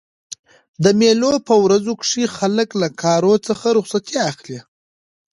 د مېلو په ورځو کښي خلک له کارو څخه رخصتي اخلي.